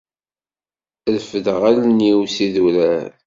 Refdeɣ allen-iw s idurar.